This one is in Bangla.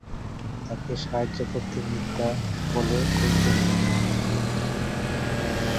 তাকে সাহায্য করতে মিথ্যা বলে গুঞ্জনও।